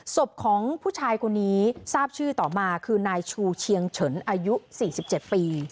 ศพของผู้ชายคนนี้ทราบชื่อต่อมาคือนายชูเชียงเฉินอายุ๔๗ปี